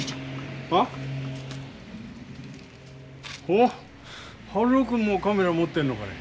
おっ春男君もカメラを持ってるのかね。